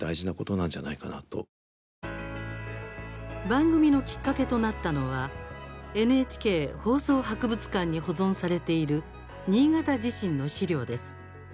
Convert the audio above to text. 番組のきっかけとなったのはＮＨＫ放送博物館に保存されている新潟地震の資料です。